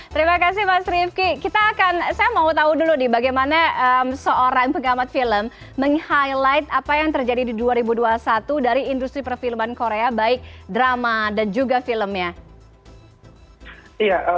terima kasih mas rifki saya mau tahu dulu nih bagaimana seorang pengamat film meng highlight apa yang terjadi di dua ribu dua puluh satu dari industri perfilman korea baik drama dan juga filmnya